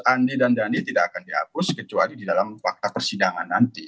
andi dan dhani tidak akan dihapus kecuali di dalam fakta persidangan nanti